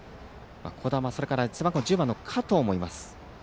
小玉、背番号１０番の加藤もいます。